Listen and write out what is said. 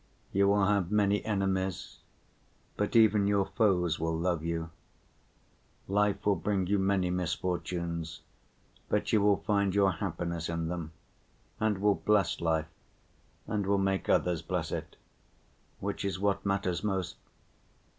You will have many enemies, but even your foes will love you. Life will bring you many misfortunes, but you will find your happiness in them, and will bless life and will make others bless it—which is what matters most.